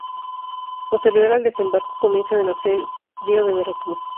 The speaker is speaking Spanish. Posterior al desembarco, comienzan el asedio de Veracruz.